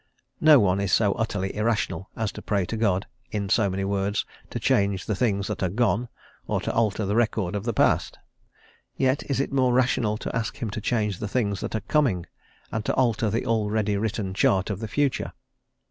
No one is so utterly irrational as to pray to God, in so many words, to change the things that are gone, or to alter the record of the past. Yet, is it more rational to ask him to change the things that are coming, and to alter the already written chart of the future?